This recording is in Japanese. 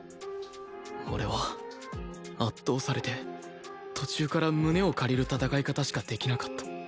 俺は圧倒されて途中から胸を借りる戦い方しかできなかった